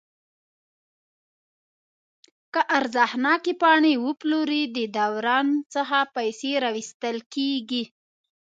که ارزښتناکې پاڼې وپلوري د دوران څخه پیسې راویستل کیږي.